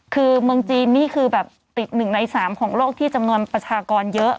คือเมืองจีนนี่คือแบบติด๑ใน๓ของโลกที่จำนวนประชากรเยอะ